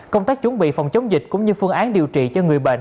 công tác chuẩn bị phòng chống dịch cũng như phương án điều trị cho người bệnh